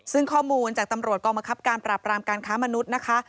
ซึ่งข้อมูลจากตำรวจกองบังคับการปราบรามการค้ามนุษย์นะคะ